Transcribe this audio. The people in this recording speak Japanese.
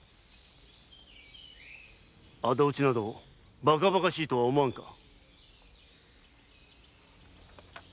仇討ちなどバカバカしいとは思わんか。